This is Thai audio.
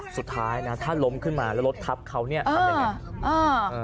สุดท้ายถ้าล้มขึ้นมาแล้วรถทับเขาทับยังไง